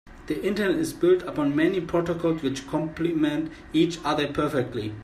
The internet is built upon many protocols which compliment each other perfectly.